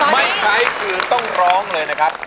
ไม่ใช้คือต้องร้องเลยนะครับ